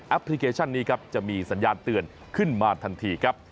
พลิเคชันนี้ครับจะมีสัญญาณเตือนขึ้นมาทันทีครับ